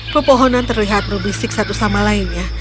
pepohonan terlihat berbisik satu sama lainnya